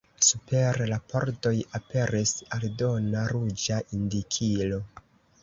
Super la pordoj aperis aldona ruĝa indikilo.